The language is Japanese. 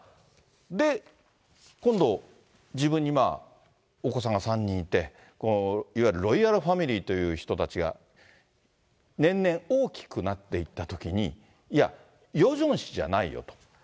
で、今度、自分にお子さんが３人いて、いわゆるロイヤルファミリーという人たちが年々大きくなっていったときに、いや、ヨジョン氏じゃないよと。